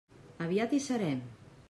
Aviat hi serem!